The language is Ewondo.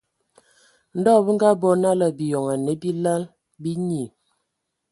Ndɔ bǝ ngabɔ nala biyon anǝ bila binyii.